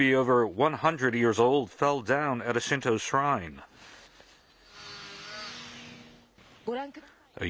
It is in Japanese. ご覧ください。